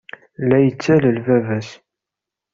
La yettalel baba-s.